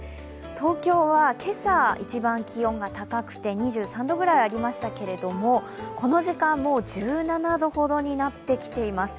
東京は今朝、一番気温が高くて２３度くらいありましたけれどこの時間、もう１７度ほどになってきています。